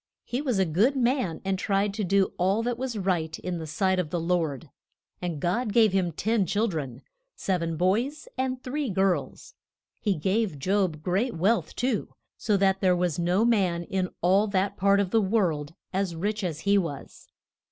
He was a good man and tried to do all that was right in the sight of the Lord. And God gave him ten chil dren: sev en boys and three girls. He gave Job great wealth, too, so that there was no man in all that part of the world as rich as he was.